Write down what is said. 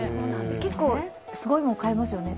結構、すごいもの買えますよね。